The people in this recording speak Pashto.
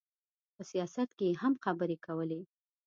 په سیاست کې یې هم خبرې کولې.